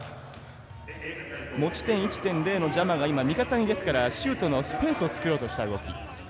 持ち点１．０がジャマにシュートのスペースを作らせようとした動き。